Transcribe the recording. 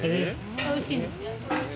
おいしいんですよ。